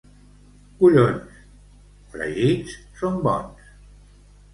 —Collons! —Fregits són bons.